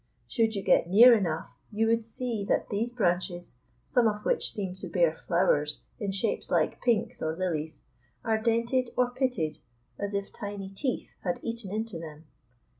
Should you get near enough, you would see that these branches, some of which seem to bear flowers in shapes like pinks or lilies, are dented or pitted as if tiny teeth had eaten into them.